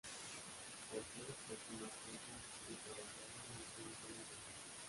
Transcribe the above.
Portet sacó una foto del trabajador y la publicó en Internet.